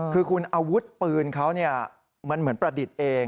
คือคุณอาวุธปืนเขามันเหมือนประดิษฐ์เอง